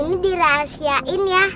ini dirahasiain ya